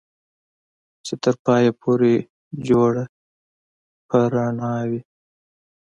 چې تر پايه پورې جوړه په رڼا وي